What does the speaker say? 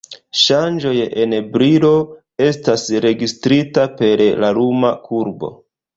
Ŝanĝoj en brilo estas registrita per la luma kurbo.